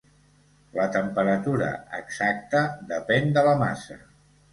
La temperatura exacta depèn de la massa.